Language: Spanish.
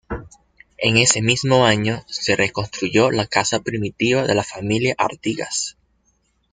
En ese mismo año, se reconstruyó la casa primitiva de la familia Artigas.